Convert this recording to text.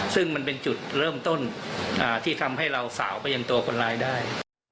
ซึ่งมันเป็นจุดเริ่มต้นที่ทำให้เราสาวไปยังตัวคนร้ายได้